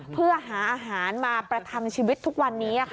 เพื่อหาอาหารมาประทังชีวิตทุกวันนี้